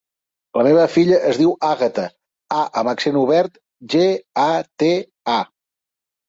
La meva filla es diu Àgata: a amb accent obert, ge, a, te, a.